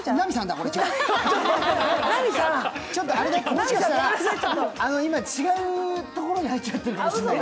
もしかしたら、今、違うところに入っちゃってるかもしれない。